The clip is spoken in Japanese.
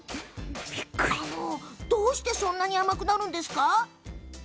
どうしてそんなに甘くなるんですか？